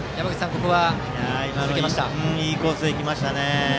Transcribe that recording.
今のはいいコースに行きましたね。